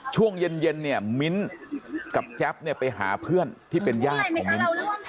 ช่วงเย็นมิ้นกับแจ๊บไปหาเพื่อนที่เป็นยาของมิ้น